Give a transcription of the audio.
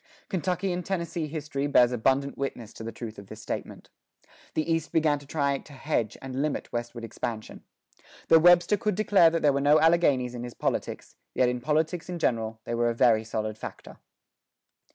Kentucky and Tennessee history bears abundant witness to the truth of this statement. The East began to try to hedge and limit westward expansion. Though Webster could declare that there were no Alleghanies in his politics, yet in politics in general they were a very solid factor.